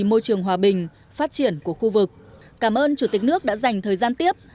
môi trường hòa bình phát triển của khu vực cảm ơn chủ tịch nước đã dành thời gian tiếp